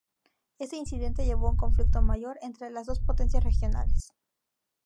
Este incidente llevó a un conflicto mayor entre las dos potencias regionales.